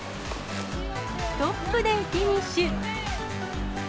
トップでフィニッシュ。